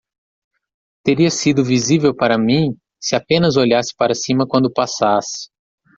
Teria sido visível para mim? se apenas olhasse para cima quando passasse.